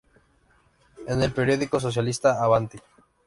En el periódico socialista Avanti!